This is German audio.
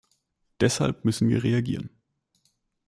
Deshalb müssen wir reagieren.